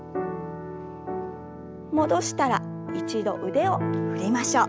戻したら一度腕を振りましょう。